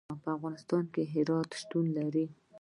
په افغانستان کې هرات شتون لري.